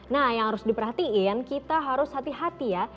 nah yang harus diperhatiin kita harus hati hati ya